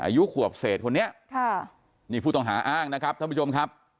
อายุขวบเศษคนนี้ค่ะนี่ผู้ต้องหาอ้างนะครับท่านผู้ชมครับ